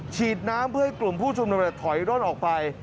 ฉีดน้ำเพื่อให้กลุ่มผู้ชุมนุมถอยร่นออกไป